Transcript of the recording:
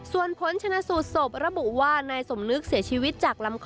ส่วนผลชนะสูตรศพระบุว่านายสมนึกเสียชีวิตจากลำคอ